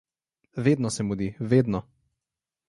Vedno se mudi, vedno!